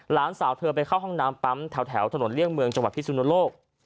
หลานสาวเธอไปเข้าห้องน้ำปั๊มแถวถนนเลี่ยงเมืองจังหวัดพิสุนโลก